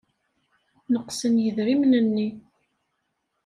Neqsen yidrimen-nni.